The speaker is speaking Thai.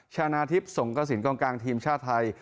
ชนะทิศสงสินกลางทีมชาติไทย